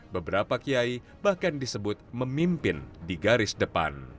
beberapa kiai bahkan disebut memimpin di garis depan